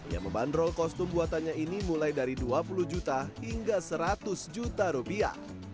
yang membandrol kostum buatannya ini mulai dari dua puluh juta hingga seratus juta rupiah